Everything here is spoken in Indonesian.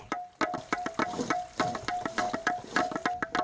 sagu yang telah berbentuk putiran kecil ini dimasak dengan cara disangrai